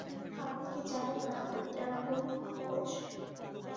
আপনি কি জানেন না যে এটা ভূল, কোচ?